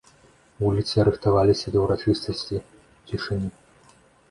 Вуліцы рыхтаваліся да ўрачыстасці цішыні.